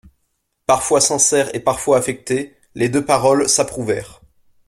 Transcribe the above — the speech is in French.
Parfois sincères et parfois affectées, les deux paroles s'approuvèrent.